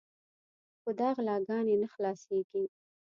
خو دا غلاګانې نه خلاصېږي.